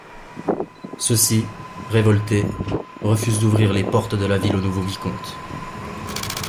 Ceux-ci, révoltés, refusent d'ouvrir les portes de la ville au nouveau vicomte.